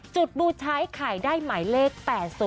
จุดบูชัยไข่ได้หมายเลข๘๐แล้วก็๘๓๕